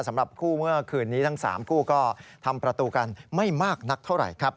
สำหรับคู่เมื่อคืนนี้ทั้ง๓คู่ก็ทำประตูกันไม่มากนักเท่าไหร่ครับ